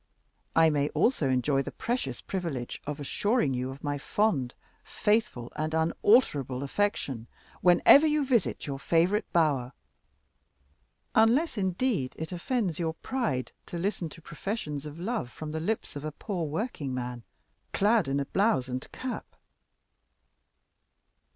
I may also enjoy the precious privilege of assuring you of my fond, faithful, and unalterable affection, whenever you visit your favorite bower, unless, indeed, it offends your pride to listen to professions of love from the lips of a poor workingman, clad in a blouse and cap."